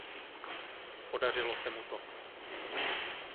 Podařilo se mu to.